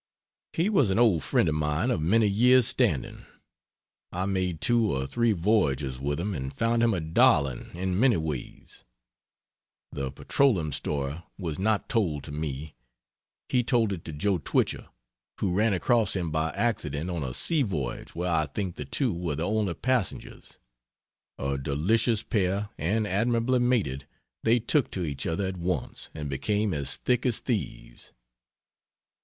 He was an old friend of mine of many years' standing; I made two or three voyages with him, and found him a darling in many ways. The petroleum story was not told to me; he told it to Joe Twichell, who ran across him by accident on a sea voyage where I think the two were the only passengers. A delicious pair, and admirably mated, they took to each other at once and became as thick as thieves.